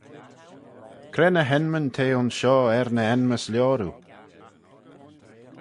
Cre ny h-enmyn t'eh aynshoh er ny enmys lioroo?